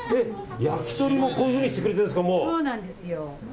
焼き鳥もこういうふうにしてくれてるんですか。